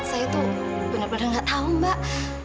saya tuh bener bener gak tahu mbak